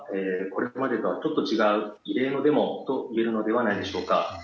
これまでとはちょっと違う異例のデモといえるのではないでしょうか。